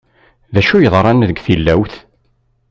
Acu yeḍran, deg tilawt?